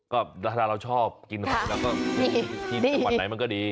ก็ถ้าเราชอบกินหอยแล้วก็ที่จังหวัดไหนมันก็ดี